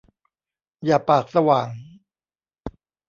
อย่าปากสว่าง !